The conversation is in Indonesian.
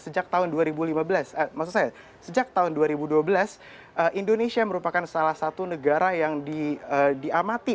sejak tahun dua ribu lima belas maksud saya sejak tahun dua ribu dua belas indonesia merupakan salah satu negara yang diamati